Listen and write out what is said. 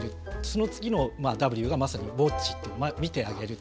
その次のＷがまさにＷａｔｃｈ見てあげる。